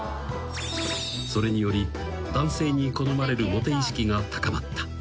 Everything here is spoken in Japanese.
［それにより男性に好まれるモテ意識が高まった］